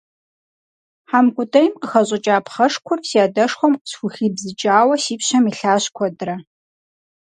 Хьэмкӏутӏейм къыхэщӏыкӏа пхъэшкур си адэшхуэм къысхухибзыкӏауэ си пщэм илъащ куэдрэ.